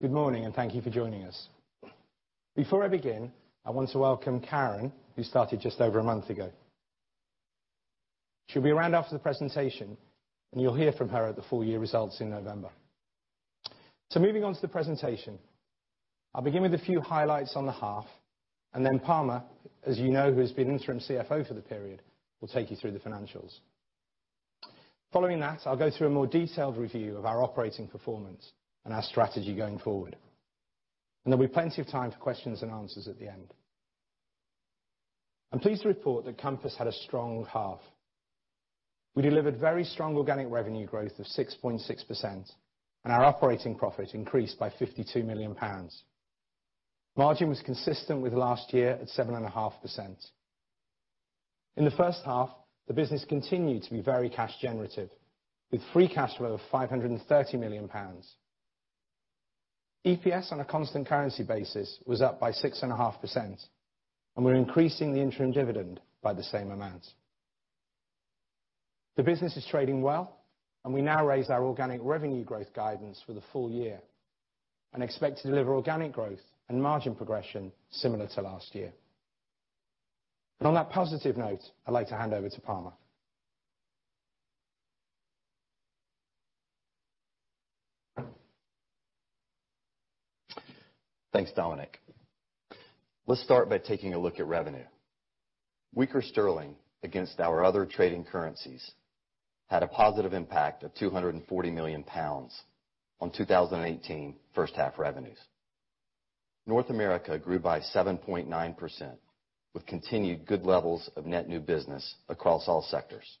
Good morning, thank you for joining us. Before I begin, I want to welcome Karen, who started just over one month ago. She'll be around after the presentation, and you'll hear from her at the full year results in November. Moving on to the presentation. I'll begin with a few highlights on the half and then Palmer, as you know, who has been interim CFO for the period, will take you through the financials. Following that, I'll go through a more detailed review of our operating performance and our strategy going forward, and there'll be plenty of time for questions and answers at the end. I'm pleased to report that Compass had a strong half. We delivered very strong organic revenue growth of 6.6%, and our operating profit increased by 52 million pounds. Margin was consistent with last year at 7.5%. In the first half, the business continued to be very cash generative, with free cash flow of 530 million pounds. EPS on a constant currency basis was up by 6.5%, and we're increasing the interim dividend by the same amount. The business is trading well, we now raise our organic revenue growth guidance for the full year and expect to deliver organic growth and margin progression similar to last year. On that positive note, I'd like to hand over to Palmer. Thanks, Dominic. Let's start by taking a look at revenue. Weaker sterling against our other trading currencies had a positive impact of 240 million pounds on 2018 first half revenues. North America grew by 7.9%, with continued good levels of net new business across all sectors.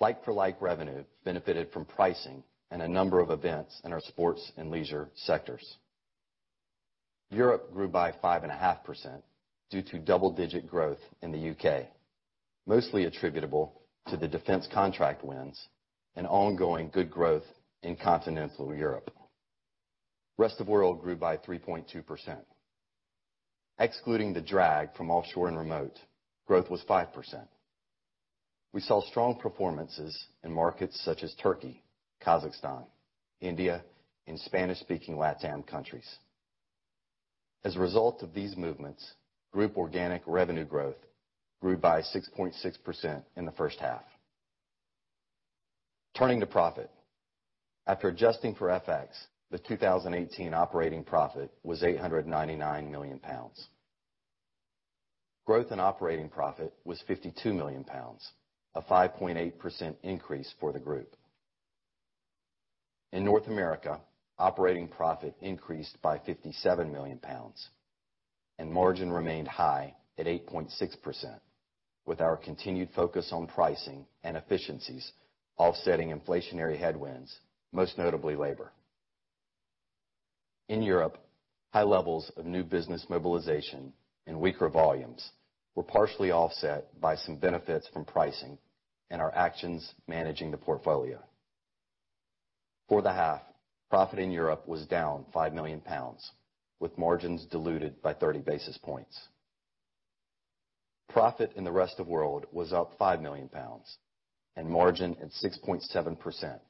Like-for-like revenue benefited from pricing and a number of events in our sports and leisure sectors. Europe grew by 5.5% due to double-digit growth in the U.K., mostly attributable to the defense contract wins and ongoing good growth in continental Europe. Rest of world grew by 3.2%. Excluding the drag from offshore and remote, growth was 5%. We saw strong performances in markets such as Turkey, Kazakhstan, India, and Spanish-speaking LatAm countries. As a result of these movements, group organic revenue growth grew by 6.6% in the first half. Turning to profit. After adjusting for FX, the 2018 operating profit was 899 million pounds. Growth and operating profit was 52 million pounds, a 5.8% increase for the group. In North America, operating profit increased by 57 million pounds, and margin remained high at 8.6% with our continued focus on pricing and efficiencies offsetting inflationary headwinds, most notably labor. In Europe, high levels of new business mobilization and weaker volumes were partially offset by some benefits from pricing and our actions managing the portfolio. For the half, profit in Europe was down 5 million pounds, with margins diluted by 30 basis points. Profit in the rest of world was up 5 million pounds, and margin at 6.7%,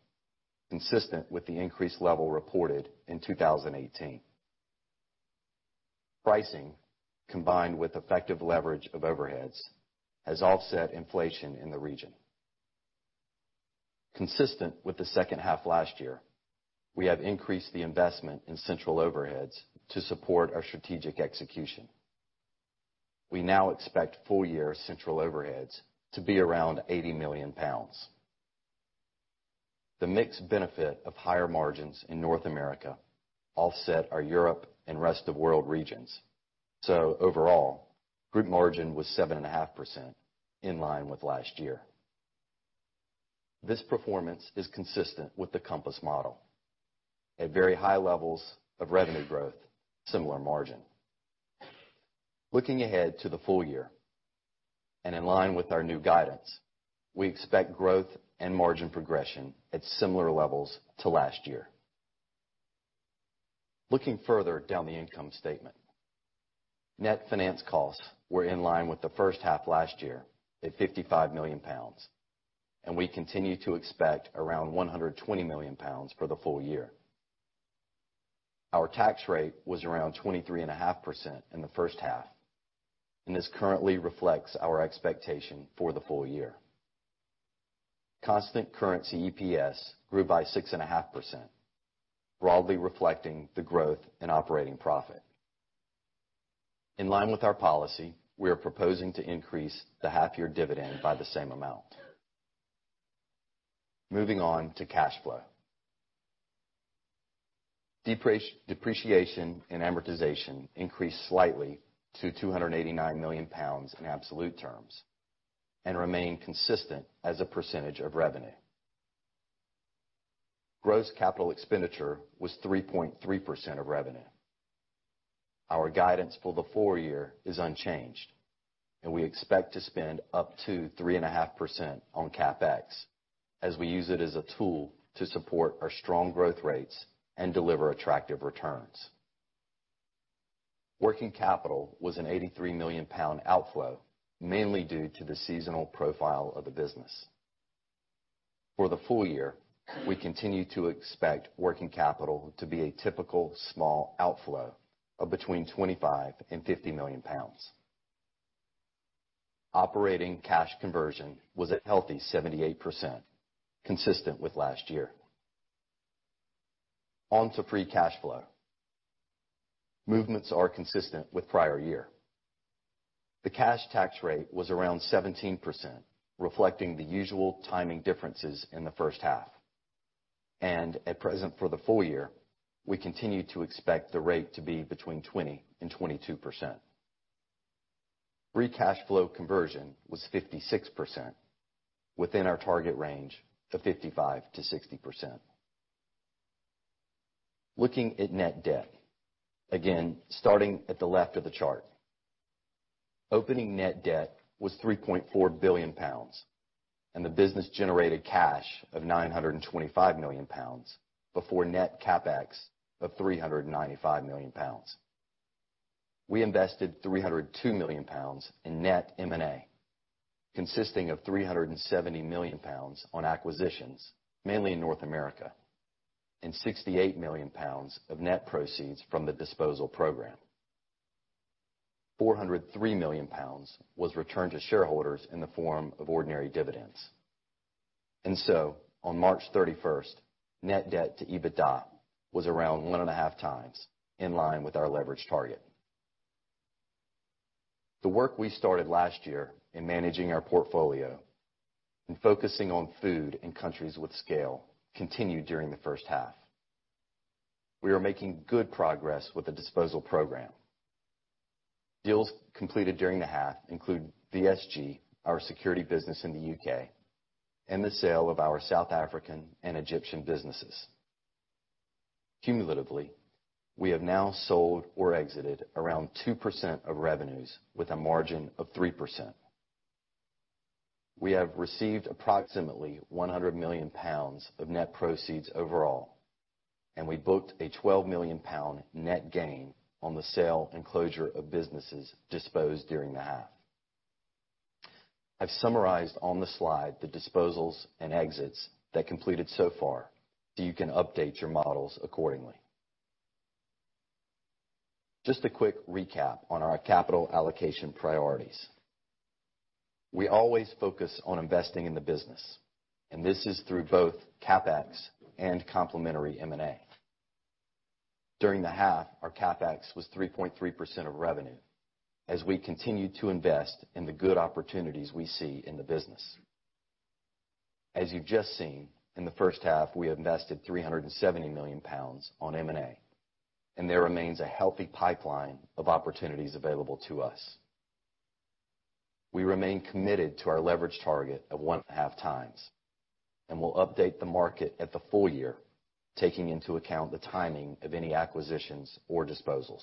consistent with the increased level reported in 2018. Pricing, combined with effective leverage of overheads, has offset inflation in the region. Consistent with the second half last year, we have increased the investment in central overheads to support our strategic execution. We now expect full year central overheads to be around 80 million pounds. The mixed benefit of higher margins in North America offset our Europe and rest of world regions. Overall, group margin was 7.5% in line with last year. This performance is consistent with the Compass model at very high levels of revenue growth, similar margin. Looking ahead to the full year, and in line with our new guidance, we expect growth and margin progression at similar levels to last year. Looking further down the income statement, net finance costs were in line with the first half last year at 55 million pounds, and we continue to expect around 120 million pounds for the full year. Our tax rate was around 23.5% in the first half, and this currently reflects our expectation for the full year. Constant currency EPS grew by 6.5%, broadly reflecting the growth in operating profit. In line with our policy, we are proposing to increase the half-year dividend by the same amount. Moving on to cash flow. Depreciation and amortization increased slightly to 289 million pounds in absolute terms and remain consistent as a percentage of revenue. Gross capital expenditure was 3.3% of revenue. Our guidance for the full year is unchanged, and we expect to spend up to 3.5% on CapEx as we use it as a tool to support our strong growth rates and deliver attractive returns. Working capital was a 83 million pound outflow, mainly due to the seasonal profile of the business. For the full year, we continue to expect working capital to be a typical small outflow of between 25 million and 50 million pounds. Operating cash conversion was a healthy 78%, consistent with last year. On to free cash flow. Movements are consistent with prior year. The cash tax rate was around 17%, reflecting the usual timing differences in the first half. At present for the full year, we continue to expect the rate to be between 20% and 22%. Free cash flow conversion was 56%, within our target range of 55%-60%. Looking at net debt, again, starting at the left of the chart. Opening net debt was 3.4 billion pounds, and the business generated cash of 925 million pounds, before net CapEx of 395 million pounds. We invested 302 million pounds in net M&A, consisting of 370 million pounds on acquisitions, mainly in North America, and 68 million pounds of net proceeds from the disposal program. 403 million pounds was returned to shareholders in the form of ordinary dividends. On March 31st, net debt to EBITDA was around 1.5 times, in line with our leverage target. The work we started last year in managing our portfolio and focusing on food in countries with scale continued during the first half. We are making good progress with the disposal program. Deals completed during the half include VSG, our security business in the U.K., and the sale of our South African and Egyptian businesses. Cumulatively, we have now sold or exited around 2% of revenues with a margin of 3%. We have received approximately 100 million pounds of net proceeds overall, and we booked a 12 million pound net gain on the sale and closure of businesses disposed during the half. I've summarized on the slide the disposals and exits that completed so far so you can update your models accordingly. Just a quick recap on our capital allocation priorities. We always focus on investing in the business, and this is through both CapEx and complementary M&A. During the half, our CapEx was 3.3% of revenue as we continued to invest in the good opportunities we see in the business. As you've just seen, in the first half, we invested 370 million pounds on M&A, and there remains a healthy pipeline of opportunities available to us. We remain committed to our leverage target of 1.5 times, and will update the market at the full year, taking into account the timing of any acquisitions or disposals.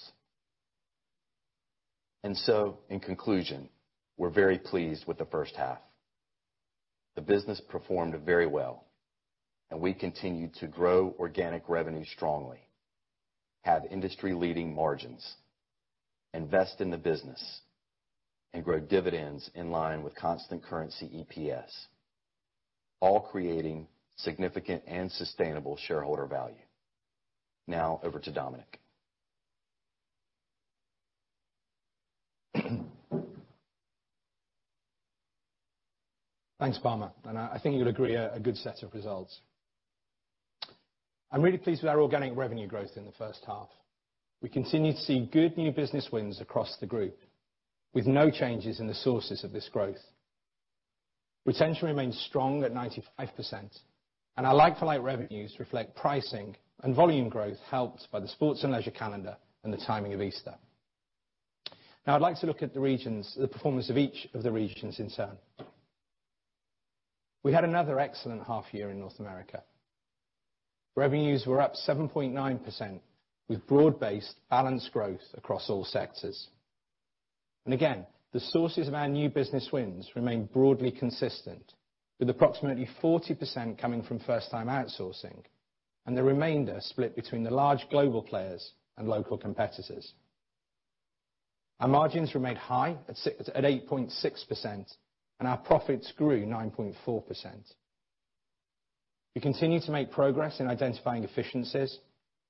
In conclusion, we're very pleased with the first half. The business performed very well, and we continued to grow organic revenue strongly, have industry-leading margins, invest in the business, and grow dividends in line with constant currency EPS, all creating significant and sustainable shareholder value. Now over to Dominic. Thanks, Palmer. I think you'll agree, a good set of results. I'm really pleased with our organic revenue growth in the first half. We continue to see good new business wins across the group, with no changes in the sources of this growth. Retention remains strong at 95%, and our like-for-like revenues reflect pricing and volume growth helped by the sports and leisure calendar and the timing of Easter. Now I'd like to look at the performance of each of the regions in turn. We had another excellent half year in North America. Revenues were up 7.9%, with broad-based balanced growth across all sectors. Again, the sources of our new business wins remain broadly consistent with approximately 40% coming from first-time outsourcing, and the remainder split between the large global players and local competitors. Our margins remained high at 8.6%, and our profits grew 9.4%. We continue to make progress in identifying efficiencies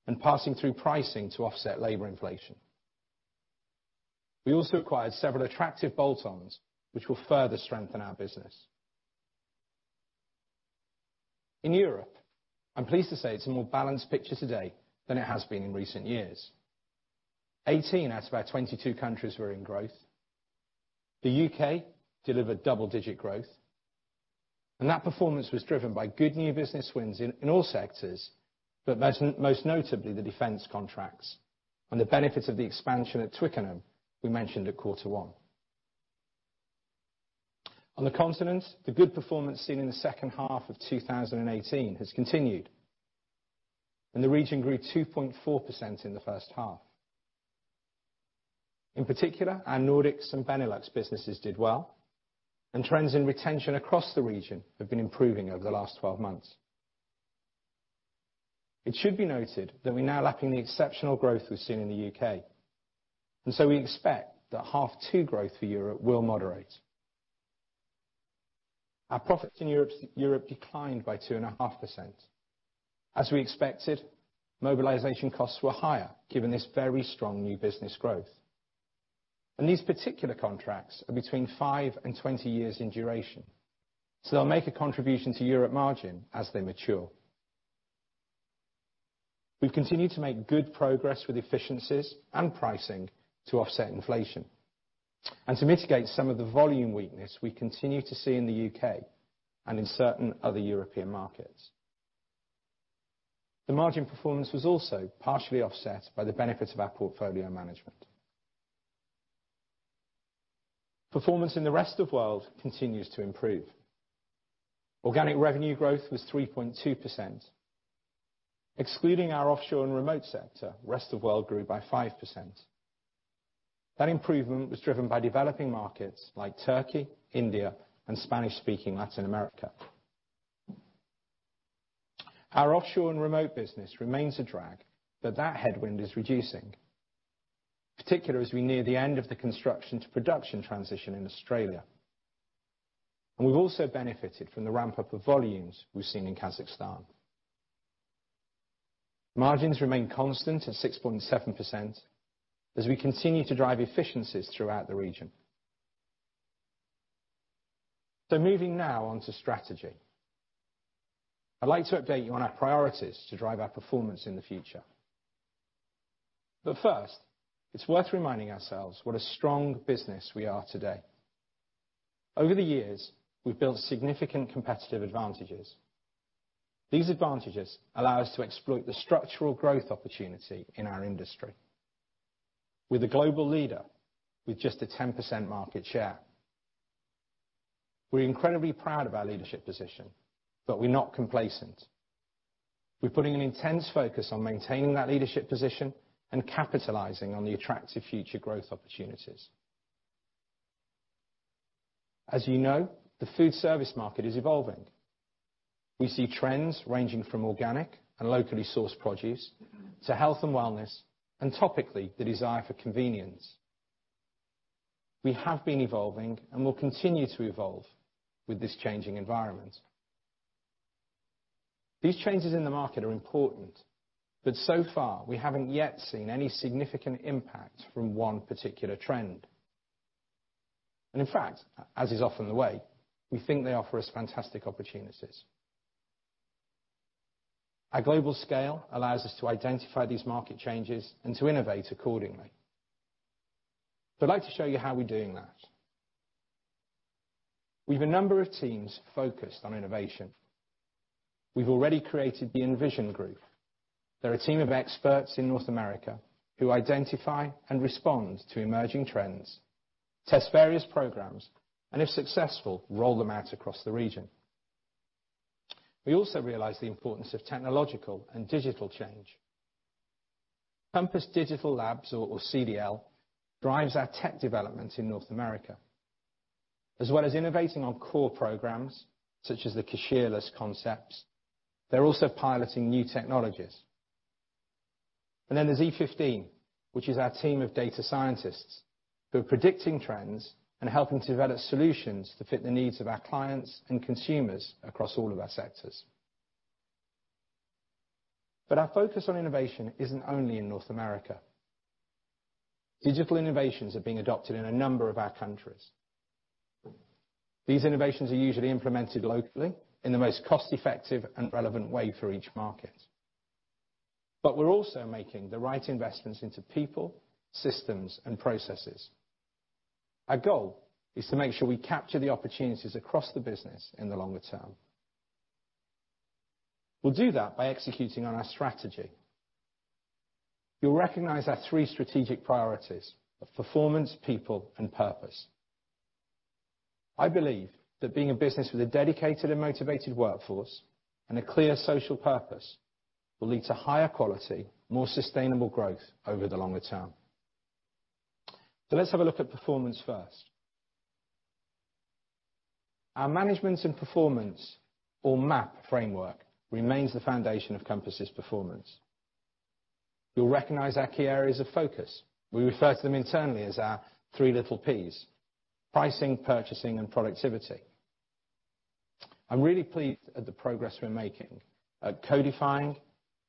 and passing through pricing to offset labor inflation. We also acquired several attractive bolt-ons which will further strengthen our business. In Europe, I'm pleased to say it's a more balanced picture today than it has been in recent years. 18 out of our 22 countries were in growth. The U.K. delivered double-digit growth, and that performance was driven by good new business wins in all sectors, but most notably the defense contracts and the benefits of the expansion at Twickenham we mentioned at quarter 1. On the continent, the good performance seen in the second half of 2018 has continued, and the region grew 2.4% in the first half. In particular, our Nordics and Benelux businesses did well, and trends in retention across the region have been improving over the last 12 months. It should be noted that we're now lapping the exceptional growth we've seen in the U.K., and so we expect that half 2 growth for Europe will moderate. Our profits in Europe declined by 2.5%. As we expected, mobilization costs were higher given this very strong new business growth. These particular contracts are between 5 and 20 years in duration, so they'll make a contribution to Europe margin as they mature. We've continued to make good progress with efficiencies and pricing to offset inflation, and to mitigate some of the volume weakness we continue to see in the U.K. and in certain other European markets. The margin performance was also partially offset by the benefits of our portfolio management. Performance in the rest of world continues to improve. Organic revenue growth was 3.2%. Excluding our offshore and remote sector, rest of world grew by 5%. That improvement was driven by developing markets like Turkey, India, and Spanish-speaking Latin America. Our offshore and remote business remains a drag, but that headwind is reducing, particularly as we near the end of the construction to production transition in Australia. We've also benefited from the ramp-up of volumes we've seen in Kazakhstan. Margins remain constant at 6.7% as we continue to drive efficiencies throughout the region. Moving now on to strategy. I'd like to update you on our priorities to drive our performance in the future. First, it's worth reminding ourselves what a strong business we are today. Over the years, we've built significant competitive advantages. These advantages allow us to exploit the structural growth opportunity in our industry. We're the global leader with just a 10% market share. We're incredibly proud of our leadership position, but we're not complacent. We're putting an intense focus on maintaining that leadership position and capitalizing on the attractive future growth opportunities. As you know, the food service market is evolving. We see trends ranging from organic and locally sourced produce to health and wellness, and topically, the desire for convenience. We have been evolving and will continue to evolve with this changing environment. These changes in the market are important, so far we haven't yet seen any significant impact from one particular trend. In fact, as is often the way, we think they offer us fantastic opportunities. Our global scale allows us to identify these market changes and to innovate accordingly. I'd like to show you how we're doing that. We've a number of teams focused on innovation. We've already created the Envision. They're a team of experts in North America who identify and respond to emerging trends, test various programs, and if successful, roll them out across the region. We also realize the importance of technological and digital change. Compass Digital Labs, or CDL, drives our tech developments in North America. As well as innovating on core programs, such as the cashier-less concepts, they're also piloting new technologies. Then there's E15, which is our team of data scientists who are predicting trends and helping to develop solutions to fit the needs of our clients and consumers across all of our sectors. Our focus on innovation isn't only in North America. Digital innovations are being adopted in a number of our countries. These innovations are usually implemented locally in the most cost-effective and relevant way for each market. We're also making the right investments into people, systems, and processes. Our goal is to make sure we capture the opportunities across the business in the longer term. We'll do that by executing on our strategy. You'll recognize our three strategic priorities of performance, people, and purpose. I believe that being a business with a dedicated and motivated workforce and a clear social purpose will lead to higher quality, more sustainable growth over the longer term. Let's have a look at performance first. Our management and performance, or MAP framework, remains the foundation of Compass's performance. You'll recognize our key areas of focus. We refer to them internally as our three little Ps: pricing, purchasing, and productivity. I'm really pleased at the progress we're making at codifying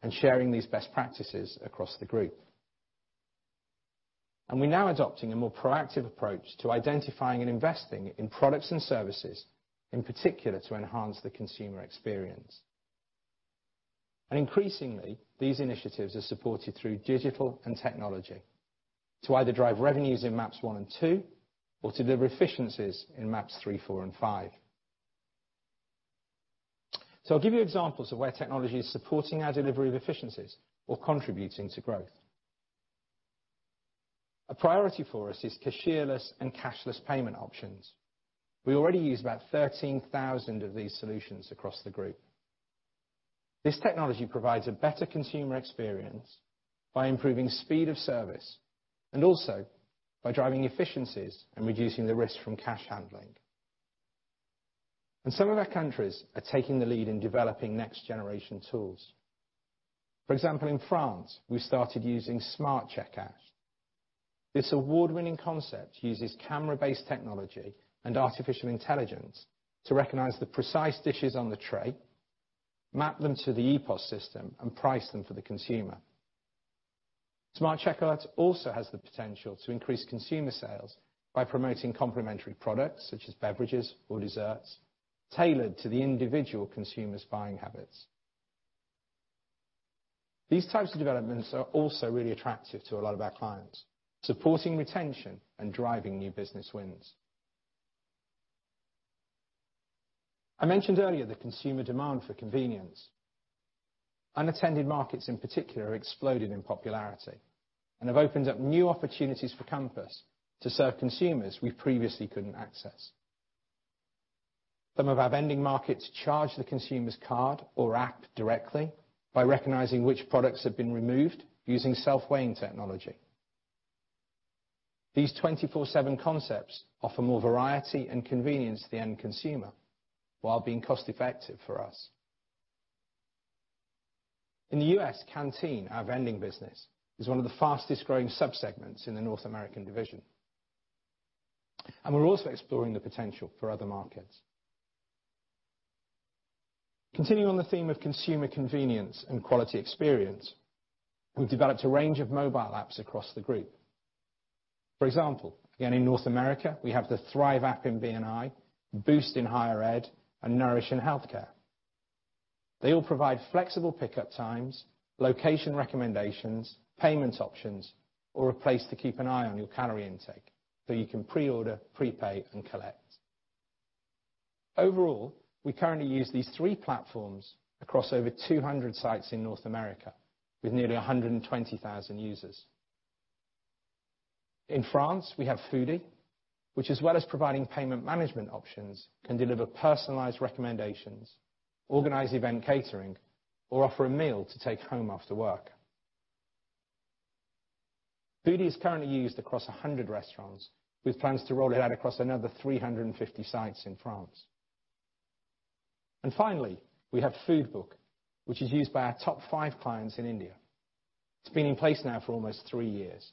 and sharing these best practices across the group. We're now adopting a more proactive approach to identifying and investing in products and services, in particular to enhance the consumer experience. Increasingly, these initiatives are supported through digital and technology to either drive revenues in maps one and two or deliver efficiencies in maps three, four, and five. I'll give you examples of where technology is supporting our delivery of efficiencies or contributing to growth. A priority for us is cashier-less and cashless payment options. We already use about 13,000 of these solutions across the group. This technology provides a better consumer experience by improving speed of service, and also by driving efficiencies and reducing the risk from cash handling. Some of our countries are taking the lead in developing next-generation tools. For example, in France, we started using Smart Checkouts. This award-winning concept uses camera-based technology and artificial intelligence to recognize the precise dishes on the tray, map them to the EPOS system, and price them for the consumer. Smart Checkouts also has the potential to increase consumer sales by promoting complementary products, such as beverages or desserts, tailored to the individual consumer's buying habits. These types of developments are also really attractive to a lot of our clients, supporting retention and driving new business wins. I mentioned earlier the consumer demand for convenience. Unattended markets, in particular, have exploded in popularity and have opened up new opportunities for Compass to serve consumers we previously couldn't access. Some of our vending markets charge the consumer's card or app directly by recognizing which products have been removed using self-weighing technology. These 24/7 concepts offer more variety and convenience to the end consumer while being cost-effective for us. In the U.S., Canteen, our vending business, is one of the fastest growing subsegments in the North American division. We're also exploring the potential for other markets. Continuing on the theme of consumer convenience and quality experience, we've developed a range of mobile apps across the group. For example, again, in North America, we have the Thrive app in B&I, Boost in higher ed, and Nourish in healthcare. They all provide flexible pickup times, location recommendations, payment options, or a place to keep an eye on your calorie intake so you can pre-order, pre-pay, and collect. Overall, we currently use these three platforms across over 200 sites in North America with nearly 120,000 users. In France, we have Foodie, which as well as providing payment management options, can deliver personalized recommendations, organize event catering, or offer a meal to take home after work. Foodie is currently used across 100 restaurants, with plans to roll it out across another 350 sites in France. Finally, we have FoodBook, which is used by our top five clients in India. It's been in place now for almost three years,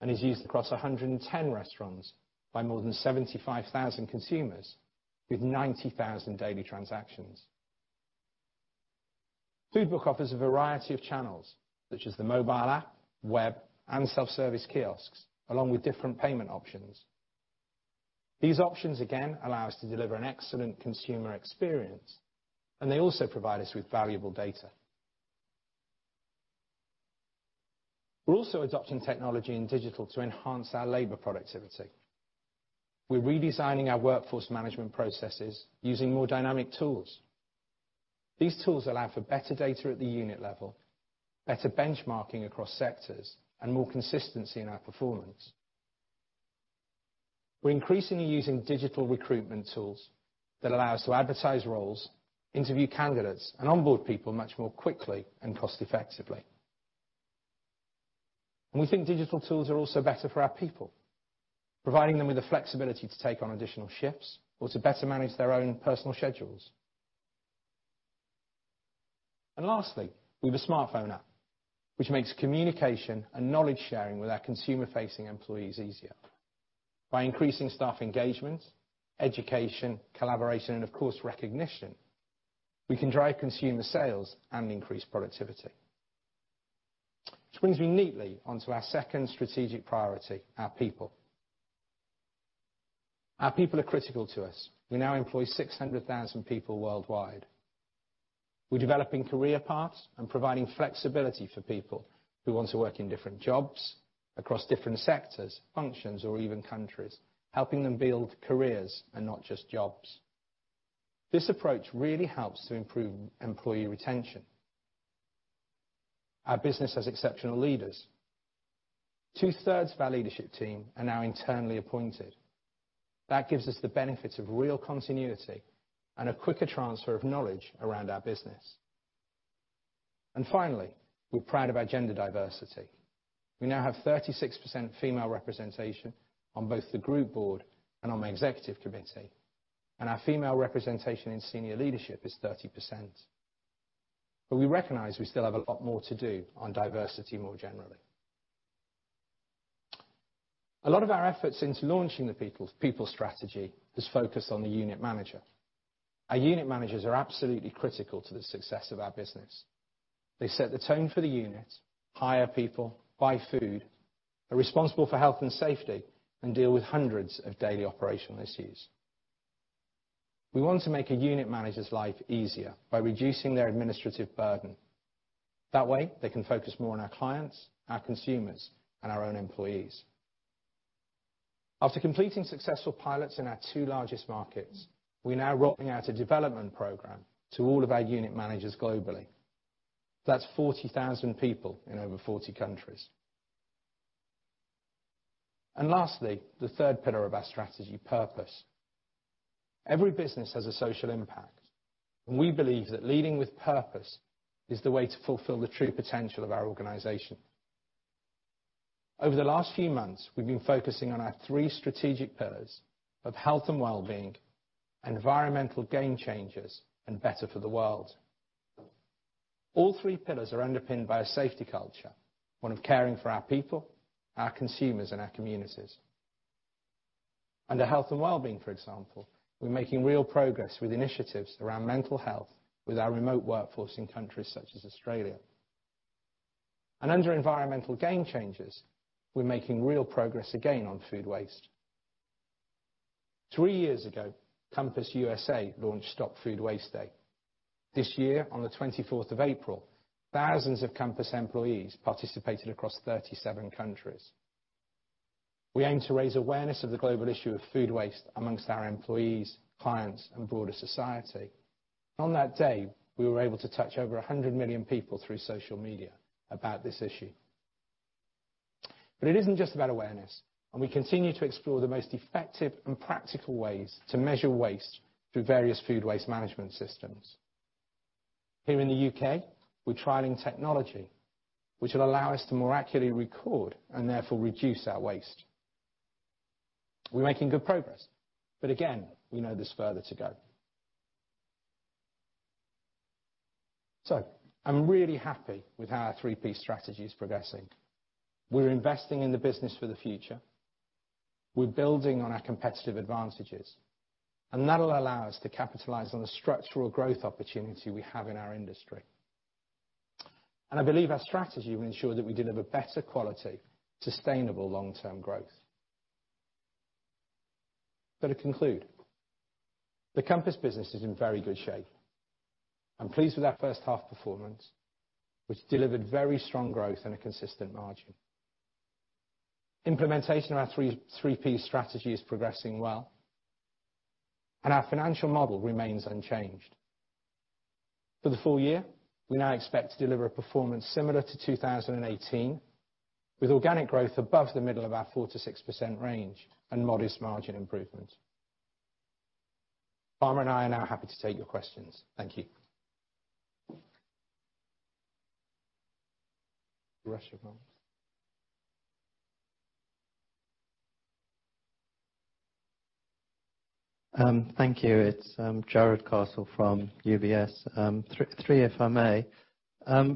and is used across 110 restaurants by more than 75,000 consumers with 90,000 daily transactions. FoodBook offers a variety of channels, such as the mobile app, web, and self-service kiosks, along with different payment options. These options, again, allow us to deliver an excellent consumer experience, and they also provide us with valuable data. We're also adopting technology and digital to enhance our labor productivity. We're redesigning our workforce management processes using more dynamic tools. These tools allow for better data at the unit level, better benchmarking across sectors, and more consistency in our performance. We're increasingly using digital recruitment tools that allow us to advertise roles, interview candidates, and onboard people much more quickly and cost-effectively. We think digital tools are also better for our people, providing them with the flexibility to take on additional shifts or to better manage their own personal schedules. Lastly, we've a smartphone app which makes communication and knowledge sharing with our consumer-facing employees easier. By increasing staff engagement, education, collaboration, and of course, recognition, we can drive consumer sales and increase productivity. Which brings me neatly onto our second strategic priority, our people. Our people are critical to us. We now employ 600,000 people worldwide. We're developing career paths and providing flexibility for people who want to work in different jobs across different sectors, functions, or even countries, helping them build careers and not just jobs. This approach really helps to improve employee retention. Our business has exceptional leaders. Two-thirds of our leadership team are now internally appointed. That gives us the benefits of real continuity and a quicker transfer of knowledge around our business. Finally, we're proud of our gender diversity. We now have 36% female representation on both the group board and on the executive committee, and our female representation in senior leadership is 30%. We recognize we still have a lot more to do on diversity more generally. A lot of our efforts into launching the people strategy is focused on the unit manager. Our unit managers are absolutely critical to the success of our business. They set the tone for the unit, hire people, buy food, are responsible for health and safety, and deal with hundreds of daily operational issues. We want to make a unit manager's life easier by reducing their administrative burden. That way, they can focus more on our clients, our consumers, and our own employees. After completing successful pilots in our two largest markets, we're now rolling out a development program to all of our unit managers globally. That's 40,000 people in over 40 countries. Lastly, the third pillar of our strategy, purpose. Every business has a social impact, and we believe that leading with purpose is the way to fulfill the true potential of our organization. Over the last few months, we've been focusing on our three strategic pillars of health and wellbeing, environmental game changers, and better for the world. All three pillars are underpinned by a safety culture, one of caring for our people, our consumers, and our communities. Under health and wellbeing, for example, we're making real progress with initiatives around mental health with our remote workforce in countries such as Australia. Under environmental game changers, we're making real progress again on food waste. Three years ago, Compass USA launched Stop Food Waste Day. This year, on the 24th of April, thousands of Compass employees participated across 37 countries. We aim to raise awareness of the global issue of food waste amongst our employees, clients, and broader society. On that day, we were able to touch over 100 million people through social media about this issue. It isn't just about awareness, and we continue to explore the most effective and practical ways to measure waste through various food waste management systems. Here in the U.K., we're trialing technology which will allow us to more accurately record, and therefore, reduce our waste. We're making good progress. Again, we know there's further to go. I'm really happy with how our three P strategy is progressing. We're investing in the business for the future. We're building on our competitive advantages, and that'll allow us to capitalize on the structural growth opportunity we have in our industry. I believe our strategy will ensure that we deliver better quality, sustainable long-term growth. To conclude, the Compass business is in very good shape. I'm pleased with our first half performance, which delivered very strong growth and a consistent margin. Implementation of our three P strategy is progressing well, and our financial model remains unchanged. For the full year, we now expect to deliver a performance similar to 2018, with organic growth above the middle of our 4%-6% range and modest margin improvement. Armand and I are now happy to take your questions. Thank you. Rush of hands. Thank you. It's Jarrod Castle from UBS. Three, if I may.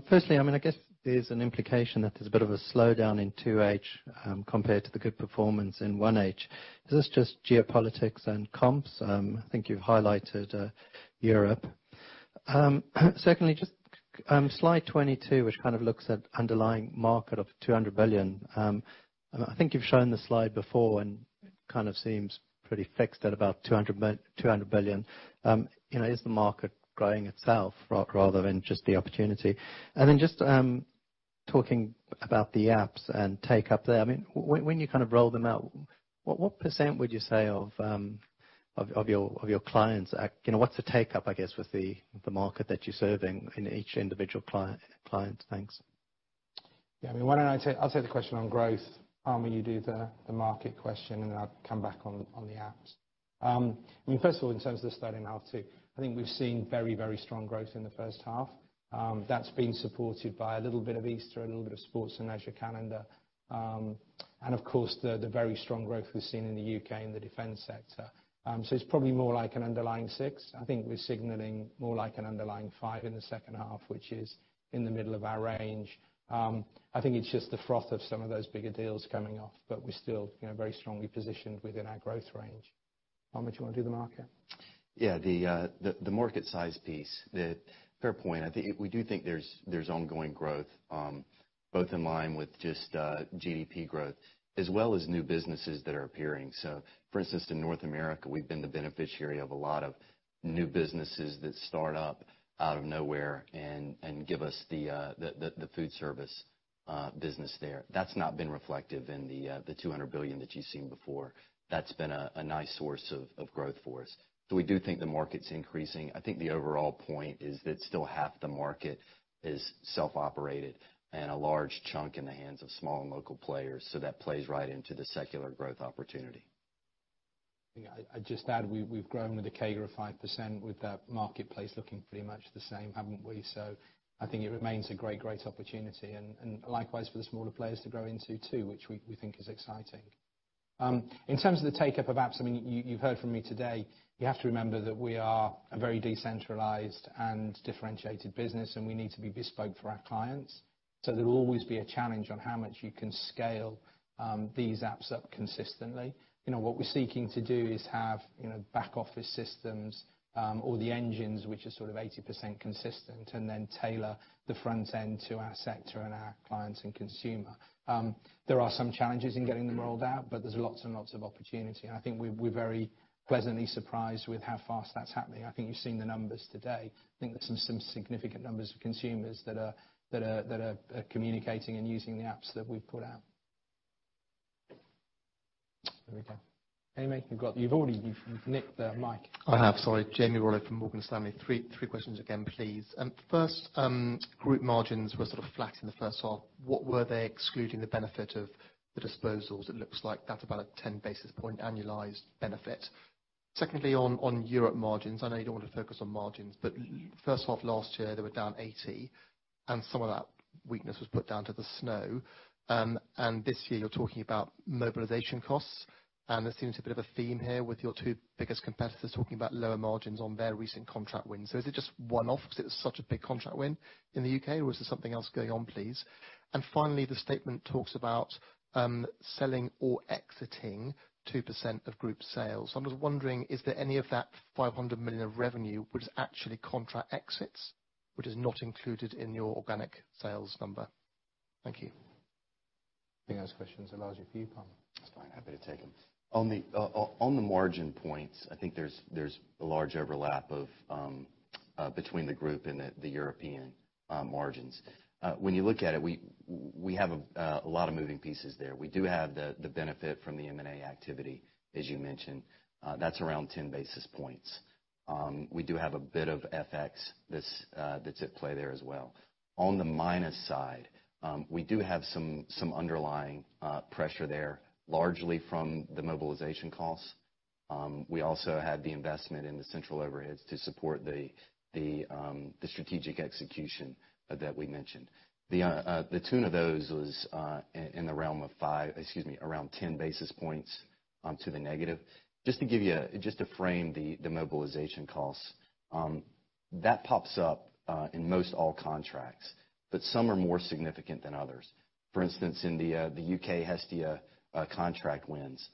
Firstly, I guess there's an implication that there's a bit of a slowdown in 2H compared to the good performance in 1H. Is this just geopolitics and comps? I think you've highlighted Europe. Secondly, just slide 22, which kind of looks at underlying market of 200 billion. I think you've shown the slide before, and it kind of seems pretty fixed at about 200 billion. Is the market growing itself rather than just the opportunity? Then just talking about the apps and take-up there, when you roll them out, what % would you say of your clients? What's the take-up, I guess, with the market that you're serving in each individual client? Thanks. I'll take the question on growth. Armand, you do the market question, and then I'll come back on the apps. First of all, in terms of the slowdown in H2, I think we've seen very strong growth in the first half. That's been supported by a little bit of Easter and a little bit of sports and leisure calendar. Of course, the very strong growth we've seen in the U.K. in the defense sector. It's probably more like an underlying six. I think we're signaling more like an underlying five in the second half, which is in the middle of our range. I think it's just the froth of some of those bigger deals coming off. We're still very strongly positioned within our growth range. Armand, do you want to do the market? The market size piece. Fair point. We do think there's ongoing growth, both in line with just GDP growth, as well as new businesses that are appearing. For instance, in North America, we've been the beneficiary of a lot of new businesses that start up out of nowhere and give us the food services business there. That's not been reflective in the 200 billion that you've seen before. That's been a nice source of growth for us. We do think the market's increasing. I think the overall point is that still half the market is self-operated and a large chunk in the hands of small and local players. That plays right into the secular growth opportunity. I'd just add, we've grown with a CAGR of 5% with that marketplace looking pretty much the same, haven't we? I think it remains a great opportunity and likewise for the smaller players to grow into too, which we think is exciting. In terms of the take-up of apps, you've heard from me today. You have to remember that we are a very decentralized and differentiated business, and we need to be bespoke for our clients. There'll always be a challenge on how much you can scale these apps up consistently. What we're seeking to do is have back-office systems, or the engines which are sort of 80% consistent, and then tailor the front end to our sector and our clients and consumer. There are some challenges in getting them rolled out, there's lots and lots of opportunity, and I think we're very pleasantly surprised with how fast that's happening. I think you've seen the numbers today. I think there's some significant numbers of consumers that are communicating and using the apps that we've put out. There we go. Jamie, you've nicked the mic. I have, sorry. Jamie Rollo from Morgan Stanley. Three questions again, please. First, group margins were sort of flat in the first half. What were they excluding the benefit of the disposals? It looks like that's about a 10 basis point annualized benefit. Secondly, on Europe margins, I know you don't want to focus on margins, first half last year, they were down 80, and some of that weakness was put down to the snow. This year you're talking about mobilization costs, and there seems a bit of a theme here with your two biggest competitors talking about lower margins on their recent contract wins. Is it just one-off because it was such a big contract win in the U.K., or is there something else going on, please? Finally, the statement talks about selling or exiting 2% of group sales. I'm just wondering, is there any of that 500 million of revenue, which is actually contract exits, which is not included in your organic sales number? Thank you. You can ask questions, as large as for you, Palmer. That's fine. Happy to take them. On the margin points, I think there's a large overlap between the group and the European margins. When you look at it, we have a lot of moving pieces there. We do have the benefit from the M&A activity, as you mentioned. That's around 10 basis points. We do have a bit of FX that's at play there as well. On the minus side, we do have some underlying pressure there, largely from the mobilization costs. We also had the investment in the central overheads to support the strategic execution that we mentioned. The tune of those was in the realm of five, excuse me, around 10 basis points to the negative. Just to frame the mobilization costs, that pops up in most all contracts, but some are more significant than others. For instance, in the U.K., Hestia contract wins.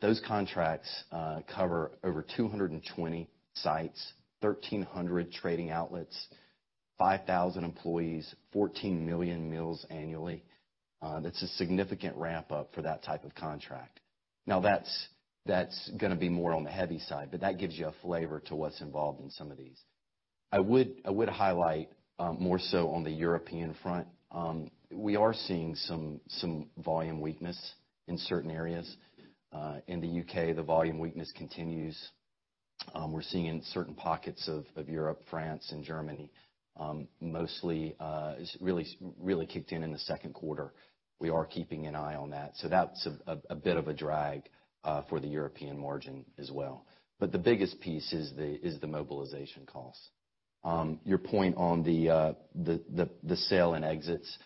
Those contracts cover over 220 sites, 1,300 trading outlets, 5,000 employees, 14 million meals annually. That's a significant ramp-up for that type of contract. Now that's going to be more on the heavy side, but that gives you a flavor to what's involved in some of these. I would highlight more so on the European front. We are seeing some volume weakness in certain areas. In the U.K., the volume weakness continues. We're seeing in certain pockets of Europe, France and Germany. Mostly, it's really kicked in the second quarter. We are keeping an eye on that. That's a bit of a drag for the European margin as well. The biggest piece is the mobilization costs. Your point on the sale and exits.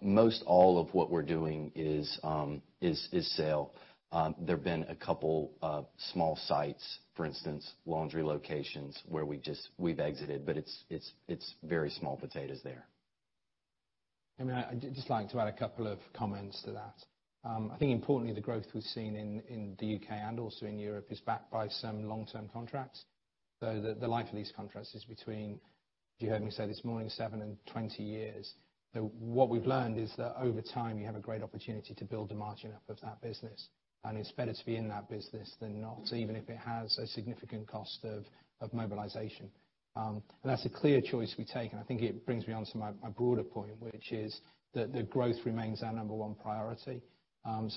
Most all of what we're doing is sale. There've been a couple of small sites, for instance, laundry locations, where we've exited, but it's very small potatoes there. I'd just like to add a couple of comments to that. I think importantly, the growth we've seen in the U.K. and also in Europe is backed by some long-term contracts. The life of these contracts is between, you heard me say this morning, seven and 20 years. What we've learned is that over time, you have a great opportunity to build the margin up of that business, and it's better to be in that business than not, even if it has a significant cost of mobilization. That's a clear choice we take. I think it brings me onto my broader point, which is that the growth remains our number one priority.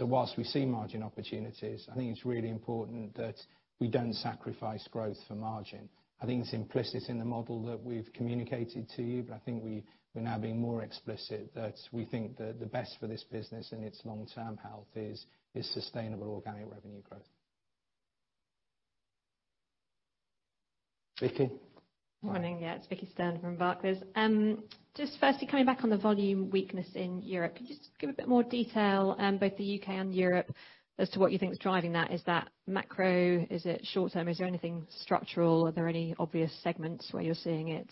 Whilst we see margin opportunities, I think it's really important that we don't sacrifice growth for margin. I think it's implicit in the model that we've communicated to you, but I think we're now being more explicit, that we think that the best for this business and its long-term health is sustainable organic revenue growth. Vicki? Morning. Yeah. It's Vicki Stern from Barclays. Just firstly, coming back on the volume weakness in Europe, could you just give a bit more detail, both the U.K. and Europe, as to what you think is driving that? Is that macro? Is it short-term? Is there anything structural? Are there any obvious segments where you're seeing it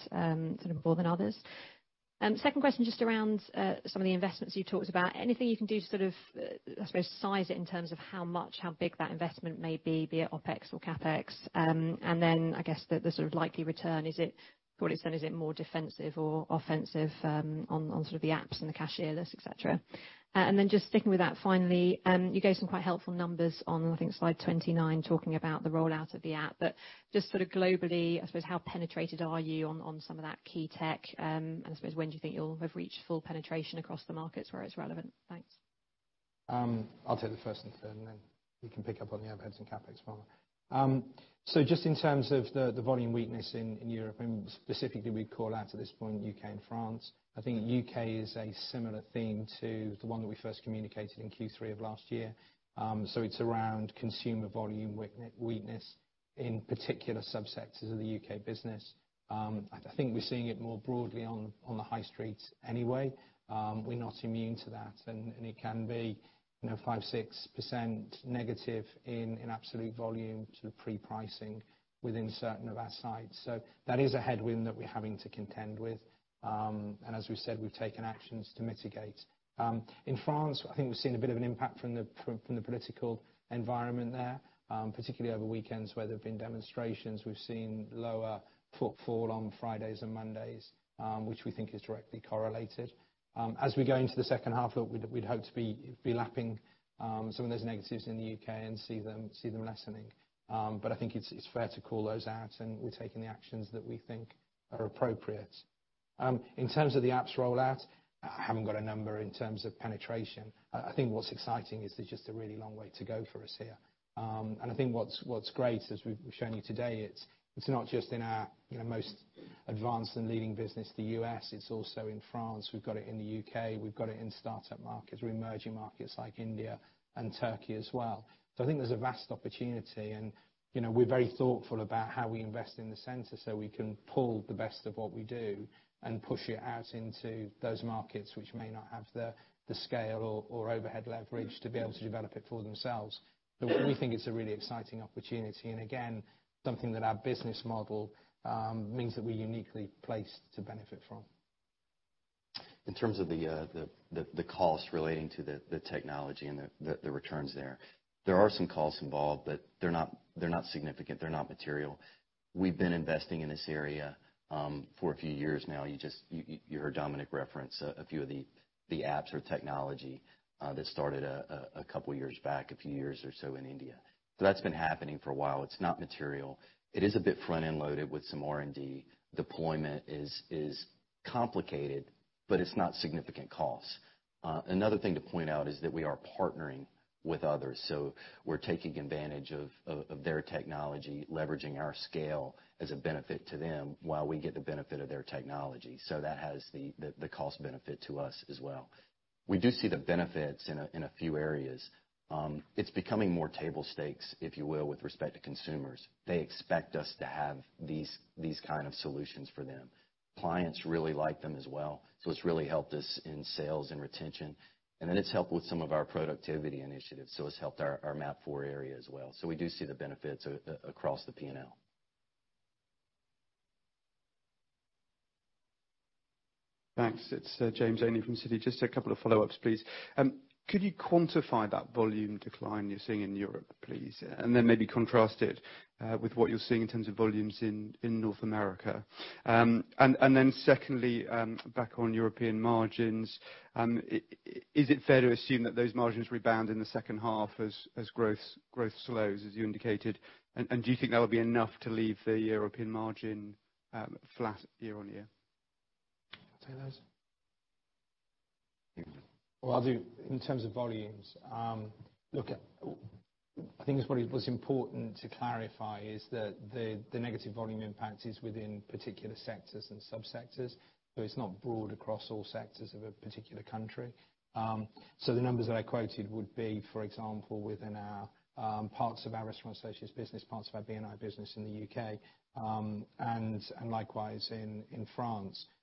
sort of more than others? Second question, just around some of the investments you talked about. Anything you can do to, I suppose, size it in terms of how much, how big that investment may be it OpEx or CapEx? Then, I guess, the sort of likely return, for what it's earn, is it more defensive or offensive on sort of the apps and the cashier-less, et cetera? Then just sticking with that, finally, you gave some quite helpful numbers on, I think slide 29, talking about the rollout of the app. Just sort of globally, I suppose, how penetrated are you on some of that key tech? I suppose, when do you think you'll have reached full penetration across the markets where it's relevant? Thanks. I'll take the first and second, then you can pick up on the overheads and CapEx, Palmer. Just in terms of the volume weakness in Europe, and specifically we'd call out at this point, U.K. and France. I think U.K. is a similar theme to the one that we first communicated in Q3 of last year. It's around consumer volume weakness, in particular subsectors of the U.K. business. I think we're seeing it more broadly on the high streets anyway. We're not immune to that, and it can be 5%-6% negative in absolute volume to pre-pricing within certain of our sites. That is a headwind that we're having to contend with. As we said, we've taken actions to mitigate. In France, I think we've seen a bit of an impact from the political environment there, particularly over weekends where there have been demonstrations. We've seen lower footfall on Fridays and Mondays, which we think is directly correlated. As we go into the second half, look, we'd hope to be lapping some of those negatives in the U.K. and see them lessening. I think it's fair to call those out, and we're taking the actions that we think are appropriate. In terms of the apps rollout. I haven't got a number in terms of penetration. I think what's exciting is there's just a really long way to go for us here. I think what's great, as we've shown you today, it's not just in our most advanced and leading business, the U.S., it's also in France. We've got it in the U.K., we've got it in startup markets or emerging markets like India and Turkey as well. I think there's a vast opportunity, and we're very thoughtful about how we invest in the center so we can pull the best of what we do and push it out into those markets which may not have the scale or overhead leverage to be able to develop it for themselves. We think it's a really exciting opportunity, and again, something that our business model means that we're uniquely placed to benefit from. In terms of the cost relating to the technology and the returns there. There are some costs involved, but they're not significant. They're not material. We've been investing in this area for a few years now. You heard Dominic reference a few of the apps or technology that started a couple of years back, a few years or so in India. That's been happening for a while. It's not material. It is a bit front-end loaded with some R&D. Deployment is complicated, but it's not significant cost. Another thing to point out is that we are partnering with others, so we're taking advantage of their technology, leveraging our scale as a benefit to them while we get the benefit of their technology. That has the cost benefit to us as well. We do see the benefits in a few areas. It's becoming more table stakes, if you will, with respect to consumers. They expect us to have these kind of solutions for them. Clients really like them as well. It's really helped us in sales and retention. It's helped with some of our productivity initiatives. It's helped our MAP four area as well. We do see the benefits across the P&L. Thanks. It's James Anny from Citi. Just a couple of follow-ups, please. Could you quantify that volume decline you're seeing in Europe, please? Maybe contrast it with what you're seeing in terms of volumes in North America. Secondly, back on European margins, is it fair to assume that those margins rebound in the second half as growth slows, as you indicated? Do you think that will be enough to leave the European margin flat year-on-year? Do you want to take those? Well, I'll do in terms of volumes. Look, I think what's important to clarify is that the negative volume impact is within particular sectors and sub-sectors, so it's not broad across all sectors of a particular country. The numbers that I quoted would be, for example, within parts of our Restaurant Associates business, parts of our B&I business in the U.K., and likewise in France. The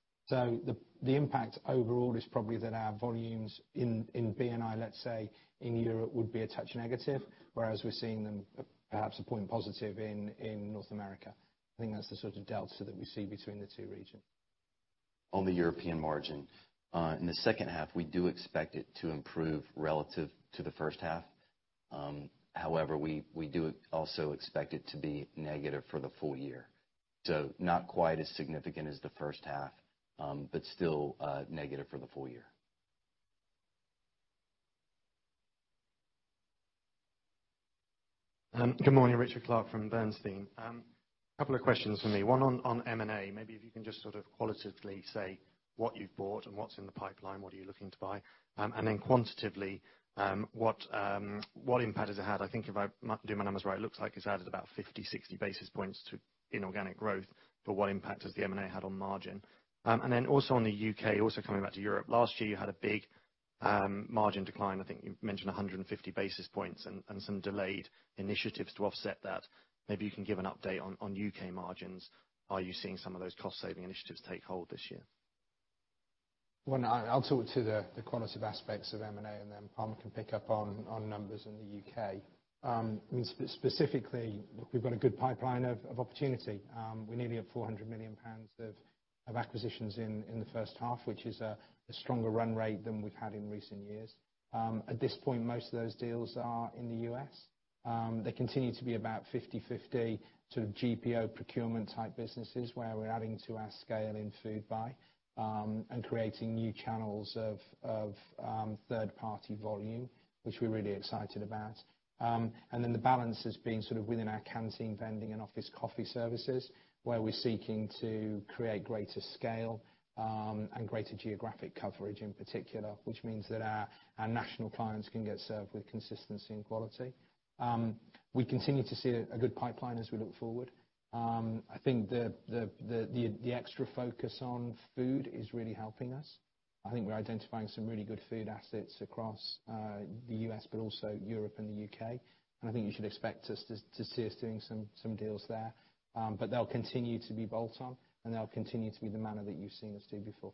impact overall is probably that our volumes in B&I, let's say, in Europe, would be a touch negative, whereas we're seeing them perhaps a point positive in North America. I think that's the sort of delta that we see between the two regions. On the European margin. In the second half, we do expect it to improve relative to the first half. However, we do also expect it to be negative for the full year. Not quite as significant as the first half, but still negative for the full year. Good morning. Richard Clarke from Bernstein. A couple of questions from me. One on M&A. Maybe if you can just sort of qualitatively say what you've bought and what's in the pipeline, what are you looking to buy? Quantitatively, what impact has it had? I think if I do my numbers right, it looks like it's added about 50, 60 basis points to inorganic growth, what impact has the M&A had on margin? Also on the U.K., also coming back to Europe. Last year, you had a big margin decline. I think you mentioned 150 basis points and some delayed initiatives to offset that. Maybe you can give an update on U.K. margins. Are you seeing some of those cost-saving initiatives take hold this year? Well, I'll talk to the quantitative aspects of M&A, Palmer can pick up on numbers in the U.K. Specifically, we've got a good pipeline of opportunity. We're nearly at 400 million pounds of acquisitions in the first half, which is a stronger run rate than we've had in recent years. At this point, most of those deals are in the U.S. They continue to be about 50/50 GPO procurement type businesses, where we're adding to our scale in food buy and creating new channels of third-party volume, which we're really excited about. The balance has been within our Canteen vending and office coffee services, where we're seeking to create greater scale and greater geographic coverage in particular, which means that our national clients can get served with consistency and quality. We continue to see a good pipeline as we look forward. I think the extra focus on food is really helping us. I think we're identifying some really good food assets across the U.S., but also Europe and the U.K. I think you should expect to see us doing some deals there. They'll continue to be bolt-on, and they'll continue to be the manner that you've seen us do before.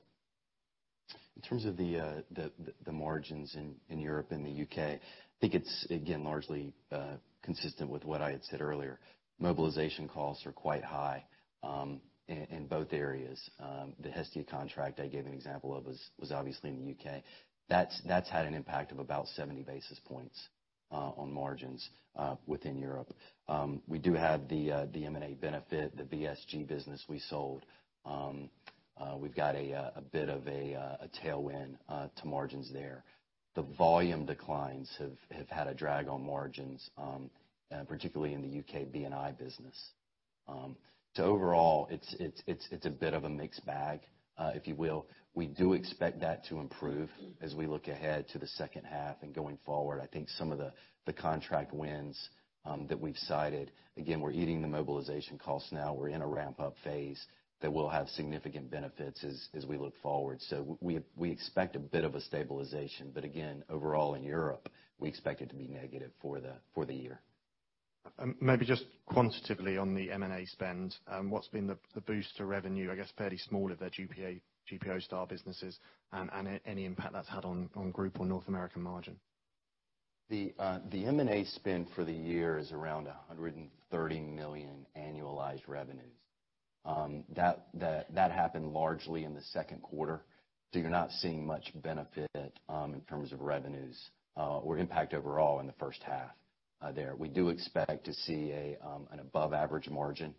In terms of the margins in Europe and the U.K., I think it's, again, largely consistent with what I had said earlier. Mobilization costs are quite high in both areas. The Hestia contract I gave an example of was obviously in the U.K. That's had an impact of about 70 basis points on margins within Europe. We do have the M&A benefit, the VSG business we sold. We've got a bit of a tailwind to margins there. The volume declines have had a drag on margins, particularly in the U.K. B&I business. Overall, it's a bit of a mixed bag, if you will. We do expect that to improve as we look ahead to the second half and going forward. I think some of the contract wins that we've cited, again, we're eating the mobilization costs now. We're in a ramp-up phase that will have significant benefits as we look forward. We expect a bit of a stabilization. Again, overall in Europe, we expect it to be negative for the year. Maybe just quantitatively on the M&A spend, what's been the boost to revenue, I guess, fairly small of their GPO star businesses, and any impact that's had on group or North American margin? The M&A spend for the year is around 130 million annualized revenues. That happened largely in the second quarter. You're not seeing much benefit in terms of revenues, or impact overall in the first half there. We do expect to see an above-average margin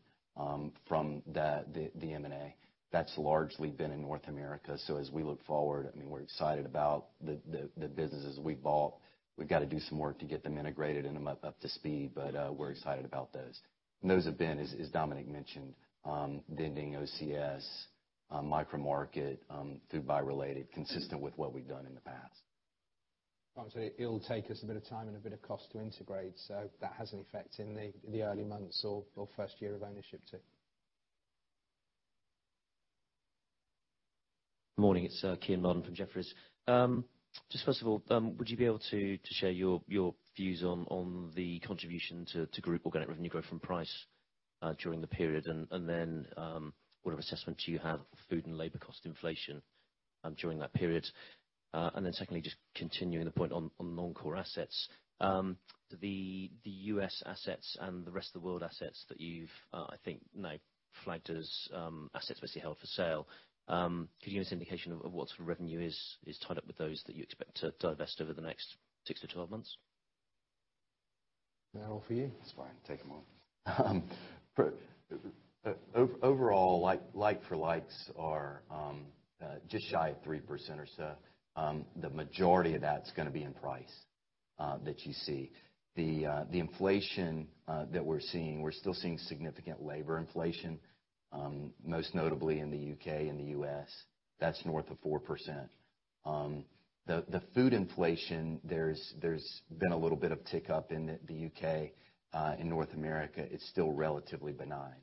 from the M&A. That's largely been in North America. As we look forward, we're excited about the businesses we've bought. We've got to do some work to get them integrated and them up to speed, but we're excited about those. Those have been, as Dominic mentioned, vending, OCS, micromarket, food buy-related, consistent with what we've done in the past. It'll take us a bit of time and a bit of cost to integrate, so that has an effect in the early months or first year of ownership, too. Morning, it's Kean Marden from Jefferies. Just first of all, would you be able to share your views on the contribution to group organic revenue growth from price during the period? What assessment do you have for food and labor cost inflation during that period? Secondly, just continuing the point on non-core assets. The U.S. assets and the rest of the world assets that you've, I think, now flagged as assets basically held for sale, could you give us an indication of what sort of revenue is tied up with those that you expect to divest over the next six to 12 months? Is that all for you? That's fine. Take them all. Overall, like-for-likes are just shy of 3% or so. The majority of that's going to be in price that you see. The inflation that we're seeing, we're still seeing significant labor inflation, most notably in the U.K. and the U.S. That's north of 4%. The food inflation, there's been a little bit of tick up in the U.K. In North America, it's still relatively benign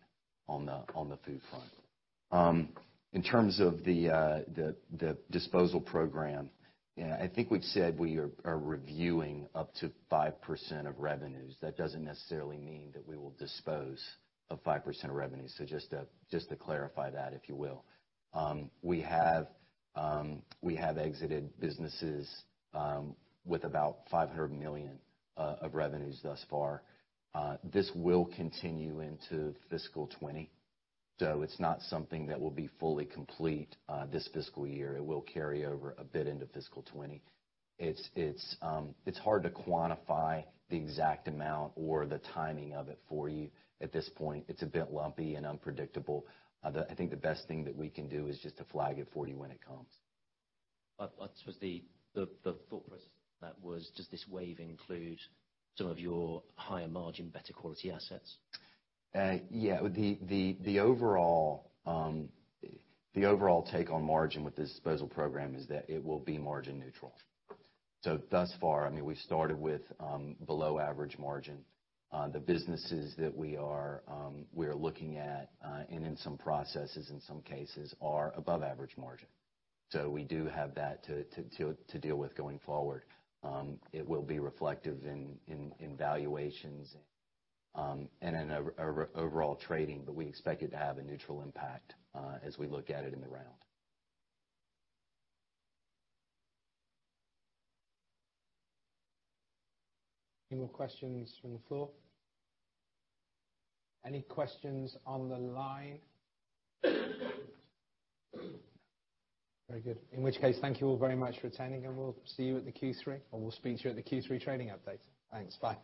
on the food front. In terms of the disposal program, I think we've said we are reviewing up to 5% of revenues. That doesn't necessarily mean that we will dispose of 5% of revenues. Just to clarify that, if you will. We have exited businesses with about 500 million of revenues thus far. This will continue into fiscal 2020, so it's not something that will be fully complete this fiscal year. It will carry over a bit into fiscal 2020. It's hard to quantify the exact amount or the timing of it for you at this point. It's a bit lumpy and unpredictable. I think the best thing that we can do is just to flag it for you when it comes. I suppose the thought process for that was does this wave include some of your higher margin, better quality assets? Yeah. The overall take on margin with this disposal program is that it will be margin neutral. Thus far, we started with below average margin. The businesses that we are looking at, and in some processes, in some cases, are above average margin. We do have that to deal with going forward. It will be reflective in valuations and in overall trading, but we expect it to have a neutral impact as we look at it in the round. Any more questions from the floor? Any questions on the line? Very good. In which case, thank you all very much for attending, and we'll see you at the Q3, or we'll speak to you at the Q3 trading update. Thanks. Bye.